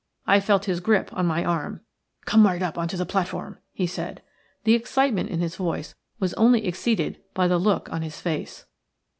I felt his grip on my arm. "Come right up on to the platform," he said. The excitement in his voice was only exceeded by the look, on his face.